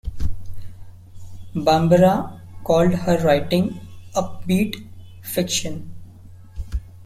Bambara called her writing "upbeat" fiction.